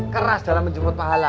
keras dalam menjemput pahala